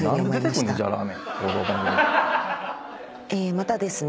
またですね